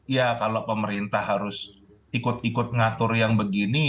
ya kalau pemerintah harus ikut ikut ngatur yang begini